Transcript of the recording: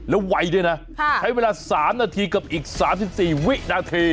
แล้วไวด้วยน่ะค่ะใช้เวลาสามนาทีกับอีกสามสิบสี่วินาที